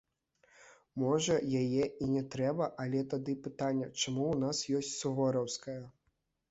Можа, яе і не трэба, але тады пытанне, чаму ў нас ёсць сувораўская?